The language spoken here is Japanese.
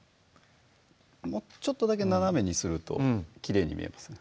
もうちょっとだけ斜めにするときれいに見えますね